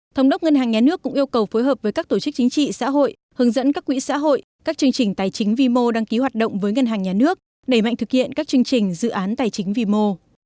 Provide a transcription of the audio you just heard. thống đốc ngân hàng nhà nước cũng yêu cầu phối hợp với các tổ chức chính trị xã hội hướng dẫn các quỹ xã hội các chương trình tài chính vi mô đăng ký hoạt động với ngân hàng nhà nước đẩy mạnh thực hiện các chương trình dự án tài chính vi mô